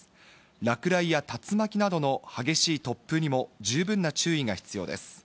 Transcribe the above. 落雷や竜巻などの激しい突風にも十分な注意が必要です。